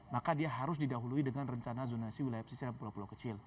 maka dia harus didahului dengan rencana zonasi wilayah pesisir dan pulau pulau kecil